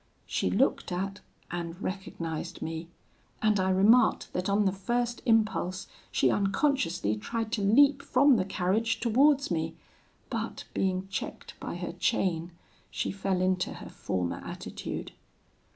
She looked at and recognised me, and I remarked that on the first impulse, she unconsciously tried to leap from the carriage towards me, but being checked by her chain, she fell into her former attitude.